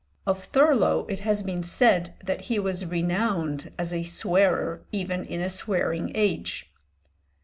Of Thurlow it has been said that he was renowned as a swearer even in a swearing age.